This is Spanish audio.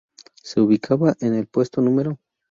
Se ubicaba en el puesto No.